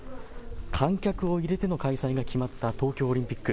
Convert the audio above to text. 観客を入れての開催が決まった東京オリンピック。